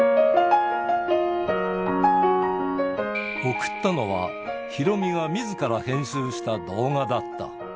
送ったのは、ヒロミがみずから編集した動画だった。